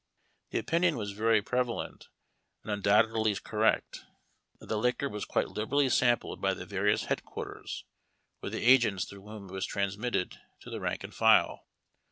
The o})iuion was very prevalent, and un doubtedly correct, that the liquor was quite liberally sam pled by the various headquarters, or the agents through whom it was transmitted to the rank and file.